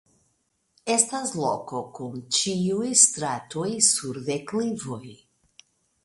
Estas loko kun ĉiuj stratoj sur deklivoj.